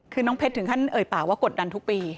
คือน้องเพชรถึงขั้นเอ่ยปากว่ากดดันทุกปี